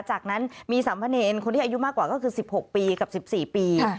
จากนั้นมีสัมพเนรคนที่อายุมากกว่าก็คือ๑๖ปีกับ๑๔ปี